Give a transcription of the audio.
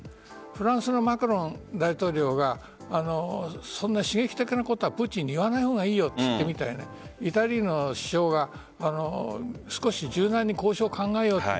フランスのマクロン大統領がそんな刺激的なことはプーチンに言わない方がいいよと言ってみたりイタリアの首相が少し柔軟に交渉を考えようと。